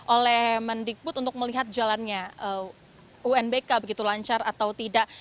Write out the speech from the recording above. oleh mendikbud untuk melihat jalannya unbk begitu lancar atau tidak